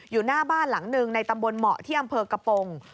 อยู่หน้าบ้านหลังหนึ่งในตำบลเหมาะที่อำเภอกระโปรง